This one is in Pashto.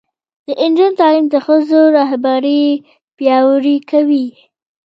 د نجونو تعلیم د ښځو رهبري پیاوړې کوي.